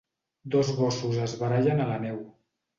Dos gossos es barallen a la neu.